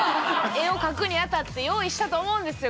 絵を描くにあたって用意したと思うんですよ